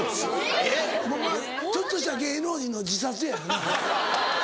ちょっとした芸能人の自殺やよね。